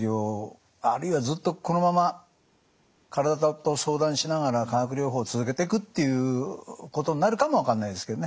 あるいはずっとこのまま体と相談しながら化学療法を続けてくっていうことになるかも分かんないですけどね。